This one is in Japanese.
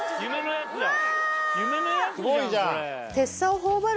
すごいじゃん！